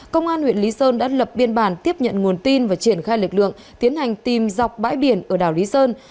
công an huyện lý sơn đã lập biên bản tiếp nhận nguồn tin và triển khai lực lượng tiến hành tìm dọc bãi biển ở đảo lý sơn